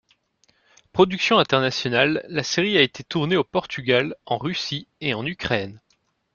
Production internationale, la série a été tournée au Portugal, en Russie et en Ukraine.